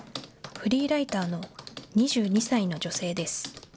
フリーライターの２２歳の女性です。